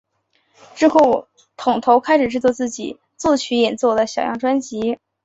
之后桶头开始制作自己作曲演奏的小样专辑。